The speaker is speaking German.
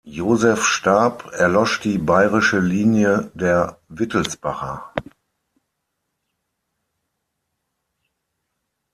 Joseph starb, erlosch die bayerische Linie der Wittelsbacher.